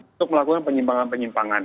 untuk melakukan penyimpangan penyimpangan